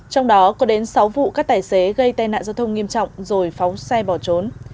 trong đó có đến sáu vụ các tài xế gây tai nạn giao thông nghiêm trọng rồi phóng xe bỏ trốn